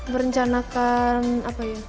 berencanakan apa ya